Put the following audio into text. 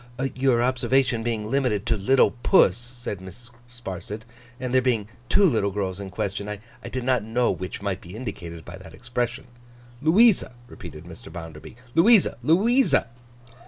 'Your observation being limited to "little puss,"' said Mrs. Sparsit, 'and there being two little girls in question, I did not know which might be indicated by that expression.' 'Louisa,' repeated Mr. Bounderby. 'Louisa, Louisa.